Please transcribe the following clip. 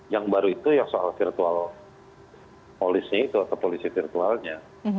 yang baru itu ya soal virtual polisinya itu atau polisi virtualnya